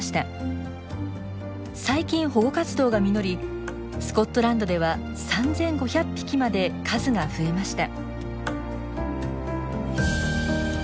最近保護活動が実りスコットランドでは３，５００匹まで数が増えました。